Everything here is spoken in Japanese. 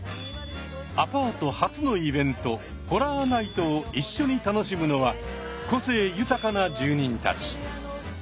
アパート初のイベントホラーナイトを一緒に楽しむのは個性豊かな住人たち。